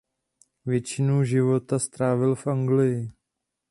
Většinu života strávil v Anglii.